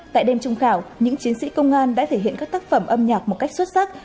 tại đêm trung khảo những chiến sĩ công an đã thể hiện các tác phẩm âm nhạc một cách xuất sắc